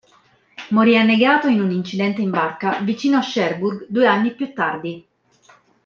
Morì annegato in un incidente in barca vicino a Cherbourg due anni più tardi.